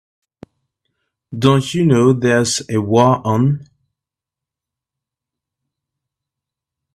Don't you know there's a war on?